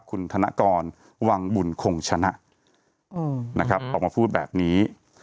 คุณธนกรวังบุญคงชนะนะครับออกมาพูดแบบนี้